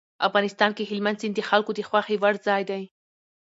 افغانستان کې هلمند سیند د خلکو د خوښې وړ ځای دی.